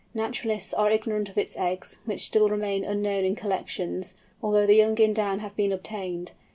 Naturalists are ignorant of its eggs, which still remain unknown in collections, although the young in down have been obtained.